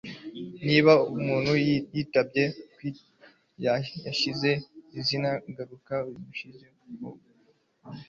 Niba umuntu yitabye Out yasinze izihe ngaruka gushyira ukuboko kwabo Mu urugwiro Amazi kenshi bo